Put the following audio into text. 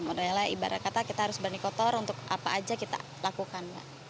model lah ibarat kata kita harus berani kotor untuk apa aja kita lakukan